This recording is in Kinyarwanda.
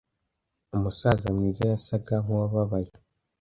umusaza mwiza yasaga nkuwababaye